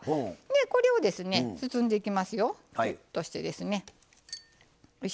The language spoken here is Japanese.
これを包んでいきますよ。